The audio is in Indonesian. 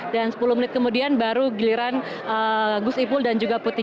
dan sepuluh menit kemudian baru giliran gus ipul dan juga putih